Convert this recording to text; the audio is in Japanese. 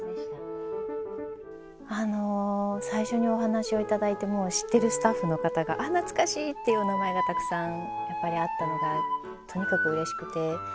あの最初にお話を頂いてもう知ってるスタッフの方があっ懐かしいっていうお名前がたくさんやっぱりあったのがとにかくうれしくて。